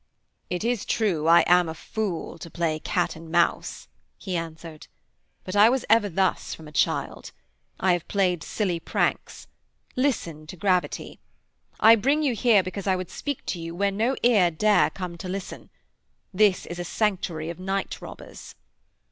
'It is true I am a fool to play cat and mouse,' he answered. 'But I was ever thus from a child: I have played silly pranks: listen to gravity. I bring you here because I would speak to you where no ear dare come to listen: this is a sanctuary of night robbers.'